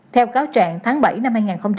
theo cáo trạng tháng bảy năm hai nghìn bảy